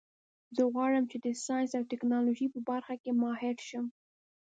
زه غواړم چې د ساینس او ټکنالوژۍ په برخه کې ماهر شم